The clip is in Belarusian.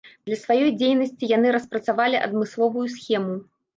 Для сваёй дзейнасці яны распрацавалі адмысловую схему.